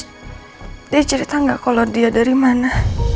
terus dia cerita gak kalo dia dari mana